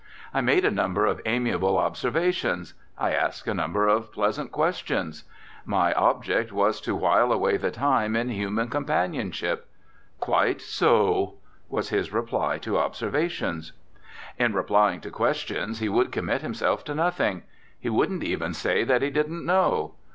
I made a number of amiable observations; I asked a number of pleasant questions. My object was to while away the time in human companionship. "Quite so," was his reply to observations. In replying to questions he would commit himself to nothing; he wouldn't even say that he didn't know.